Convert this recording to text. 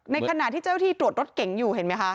ในขณะที่เจ้าหน้าที่ตรวจรถเก่งอยู่เห็นมั้ยคะ